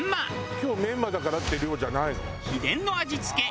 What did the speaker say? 「今日メンマだからって量じゃないの？」